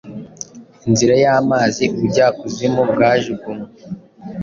inzira yamazi ubujyakuzimu bwajugunywe